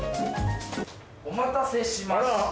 お待たせしました。